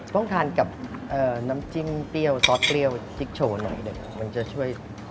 ต้องทานกับน้ำจิ้มเปรี้ยวซอสเปรี้ยวจิ๊กโฉ่หน่อยมันจะช่วยตัดลดกันพอดี